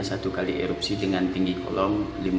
satu kali erupsi dengan tinggi kolong